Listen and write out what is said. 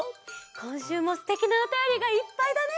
こんしゅうもすてきなおたよりがいっぱいだね！